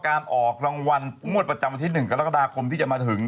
การออกรางวัลงวดประจำวันที่๑กรกฎาคมที่จะมาถึง